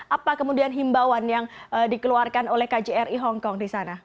apa kemudian himbauan yang dikeluarkan oleh kjri hongkong